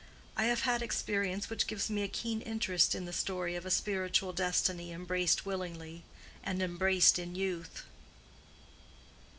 I have had experience which gives me a keen interest in the story of a spiritual destiny embraced willingly, and embraced in youth."